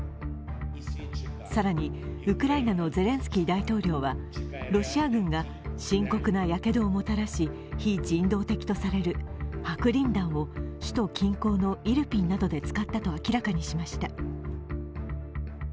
更にウクライナのゼレンスキー大統領はロシア軍が深刻なやけどをもたらし、非人道的とされる白リン弾を首都近郊のイルピンなどで使ったと明らかにしました。